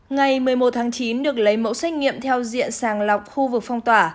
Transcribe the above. ngày một mươi một tháng chín được lấy mẫu xét nghiệm theo diện sàng lọc khu vực phong tỏa